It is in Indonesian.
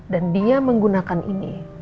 dan dia menggunakan ini